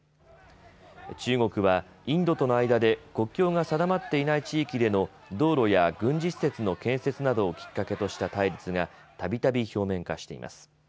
中国はインドとの間で国境が定まっていない地域での道路や軍事施設の建設などをきっかけとした対立がたびたび表面化しています。